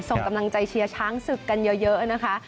ส่งกำลังใจเชียร์ช้างศึกกันเยอะนะคะ